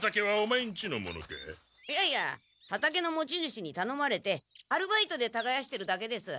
いやいや畑の持ち主にたのまれてアルバイトでたがやしてるだけです。